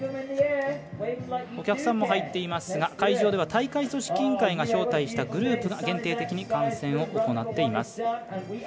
お客さんも入っていますが会場では大会組織委員会が招待したグループが限定的に観戦を行っています。